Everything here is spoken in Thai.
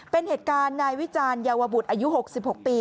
เป็นเหตุการณ์นายวิจารณเยาวบุตรอายุ๖๖ปี